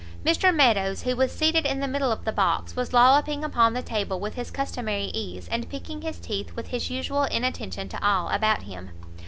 Mr Meadows, who was seated in the middle of the box, was lolloping upon the table with his customary ease, and picking his teeth with his usual inattention to all about him.